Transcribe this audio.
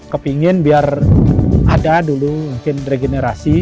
kepingin biar ada dulu mungkin regenerasi